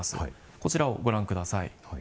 こちらをご覧ください。